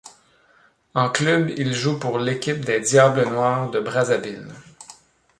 En club, il joue pour l'équipe des Diables noirs de Brazzaville.